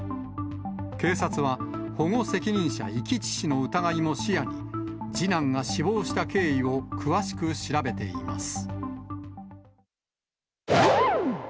警察は、保護責任者遺棄致死の疑いも視野に、次男が死亡した経緯を詳しく調べています。